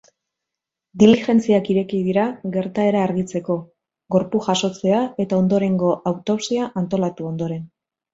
Diligentziak ireki dira gertaera argitzeko gorpu-jasotzea eta ondorengo autopsia antolatu ondoren.